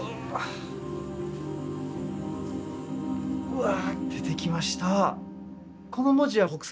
うわ出てきました。